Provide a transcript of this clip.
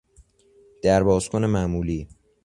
در باز کن معمولی